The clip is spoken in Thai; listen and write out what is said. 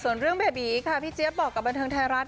ส่วนเรื่องแบบนี้ค่ะพี่เจี๊ยบบอกบรรเทิร์นไทยรัฐ